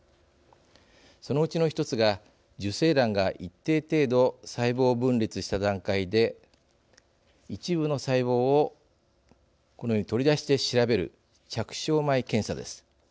そのうちのひとつが受精卵が一定程度細胞分裂した段階で一部の細胞をこのように取り出して調べる着床前検査です。